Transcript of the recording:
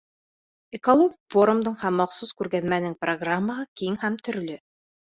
Экологик форумдың һәм махсус күргәҙмәнең программаһы киң һәм төрлө.